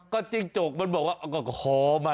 ก็จื่งจงมันบอกว่า